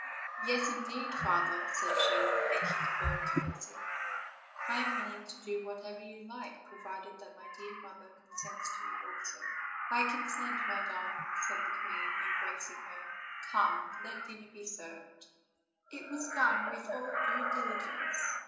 "Yes, indeed, father," said she, making a low cour tesy; "I am willing to do whatever you like, provided that my dear mother consents to it also." "I consent, my darling," said the queen, embracing her. "Come, let dinner be served." It was done with all due diligence.